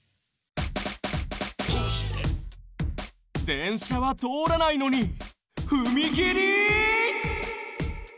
でんしゃはとおらないのにふみきり？